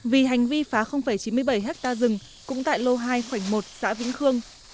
vì hành vi phá chín mươi bảy ha rừng cũng tại lô hai khoảnh một xã vĩnh khương